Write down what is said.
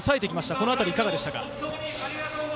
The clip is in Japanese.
このあたりいかがでしたか？